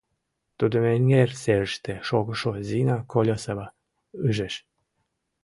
— Тудым эҥер серыште шогышо Зина Колесова ӱжеш.